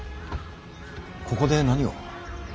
ここで何を。